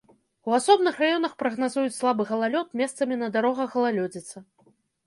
У асобных раёнах прагназуюць слабы галалёд, месцамі на дарогах галалёдзіца.